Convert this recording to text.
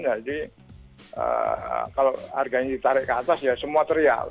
jadi kalau harganya ditarik ke atas ya semua terial